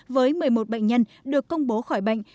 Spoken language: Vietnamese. với một mươi một bệnh nhân được công bố khỏi bệnh